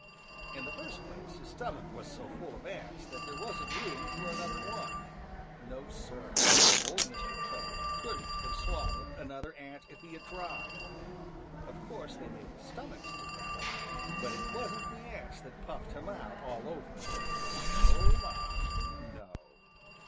In the first place his stomach was so full of ants that there wasn't room for another one. No, Sir, Old Mr. Toad couldn't have swallowed another ant if he had tried. Of course they made his stomach stick out, but it wasn't the ants that puffed him out all over. Oh, my, no!